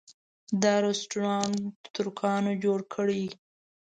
دا رسټورانټ ترکانو جوړه کړې.